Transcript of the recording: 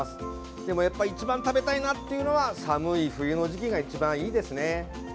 でも、やっぱり一番食べたいなっていうのは寒い冬の時期が一番いいですね。